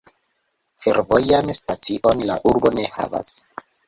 Fervojan stacion la urbo ne havas.